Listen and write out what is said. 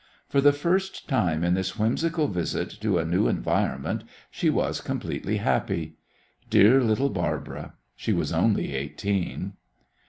For the first time in this whimsical visit to a new environment she was completely happy. Dear little Barbara; she was only eighteen.